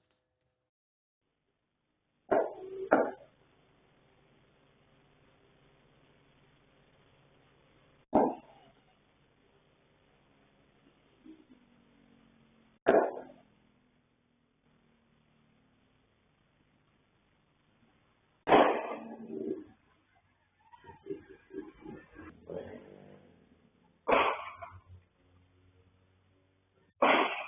มีรถมอเตอร์ไซของเพื่อนคนเจ็บก็ขี่ตามกันไปติดติดนั่นแหละค่ะ